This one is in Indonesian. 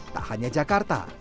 tak hanya jakarta